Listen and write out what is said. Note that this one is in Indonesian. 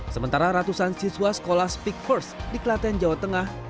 sementara ratusan siswa sekolah speak first di klaten jawa tengah